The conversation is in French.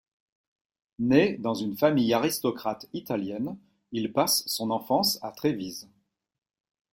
Né dans une famille aristocrate italienne, il passe son enfance à Trévise.